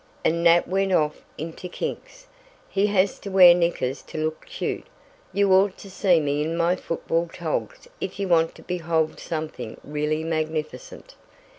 and Nat went off into kinks; "he has to wear knickers to look cute. You ought to see me in my football togs if you want to behold something really magnificent."